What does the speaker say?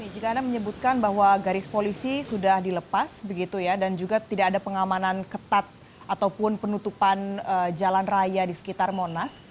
jika anda menyebutkan bahwa garis polisi sudah dilepas begitu ya dan juga tidak ada pengamanan ketat ataupun penutupan jalan raya di sekitar monas